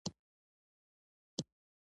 هغې فکر کاوه چې اوس به د طب محصله وه